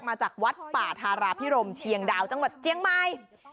มาจากวัดป่าธาราพิรมเชียงดาวจังหวัดเจียงใหม่